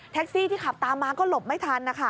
แท็กซี่ที่ขับตามมาก็หลบไม่ทัน